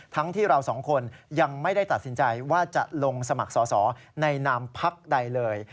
ที่เราสองคนยังไม่ได้ตัดสินใจว่าจะลงสมัครสอสอในนามพักใดเลย